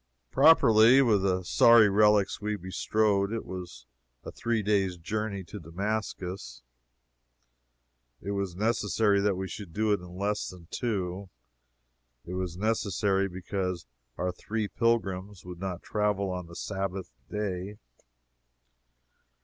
Properly, with the sorry relics we bestrode, it was a three days' journey to Damascus. It was necessary that we should do it in less than two. It was necessary because our three pilgrims would not travel on the Sabbath day.